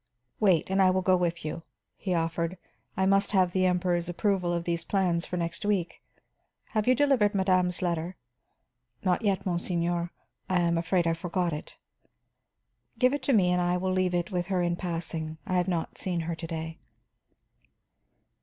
"Wait and I will go with you," he offered. "I must have the Emperor's approval of these plans for next week. Have you delivered madame's letter?" "Not yet, monseigneur. I am afraid I forgot it." "Give it to me and I will leave it with her in passing. I have not seen her to day."